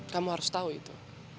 kamu harus tahu itu